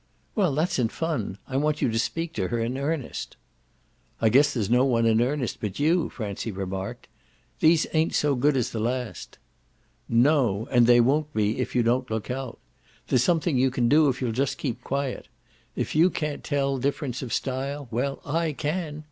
"Well, that's in fun. I want you to speak to her in earnest." "I guess there's no one in earnest but you," Francie remarked. "These ain't so good as the last." "NO, and there won't be if you don't look out. There's something you can do if you'll just keep quiet. If you can't tell difference of style, well, I can!"